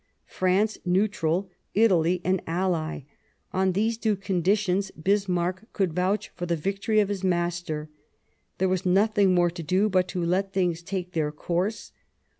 France neutral, Italy an Ally — on these two conditions Bismarck could vouch for the victory of his master. There was nothing more to do but to let things take their course.